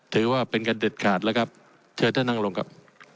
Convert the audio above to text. ถือว่าเป็นกันเด็ดขาดแล้วครับเชิญท่านนั่งลงครับ